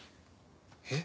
えっ？